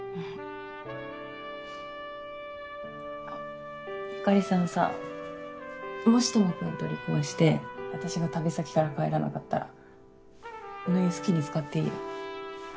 あ由香里さんさもし智くんと離婚して私が旅先から帰らなかったらこの家好きに使っていいよ。